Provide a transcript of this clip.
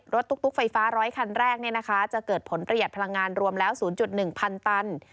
ตุ๊กไฟฟ้า๑๐๐คันแรกจะเกิดผลประหยัดพลังงานรวมแล้ว๐๑๐๐ตัน